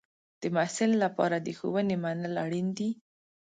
د محصل لپاره د ښوونې منل اړین دی.